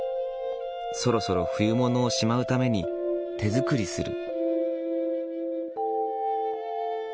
そろそろ冬物をしまうために手作りする。